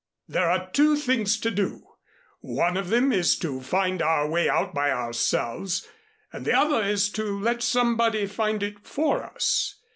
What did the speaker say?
There are two things to do one of them is to find our way out by ourselves and the other is to let somebody find it for us.